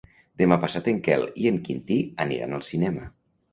Demà passat en Quel i en Quintí aniran al cinema.